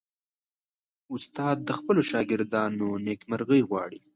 استاد د خپلو شاګردانو نیکمرغي غواړي.